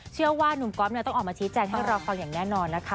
เชื่อว่าหนุ่มก๊อปต้องออกมาชี้แจงให้รอควันอย่างแน่นอนนะคะ